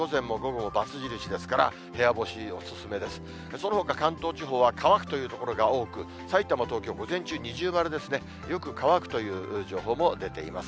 そのほか関東地方は乾くという所が多く、さいたま、東京、午前中二重丸ですね。よく乾くという情報も出ています。